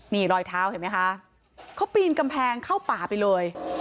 นี่รอยเท้าเห็นไหมคะเขาปีนกำแพงเข้าป่าไปเลย